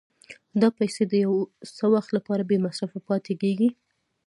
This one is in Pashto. دا پیسې د یو څه وخت لپاره بې مصرفه پاتې کېږي